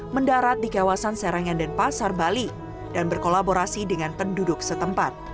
mendarat di kawasan serangan dan pasar bali dan berkolaborasi dengan penduduk setempat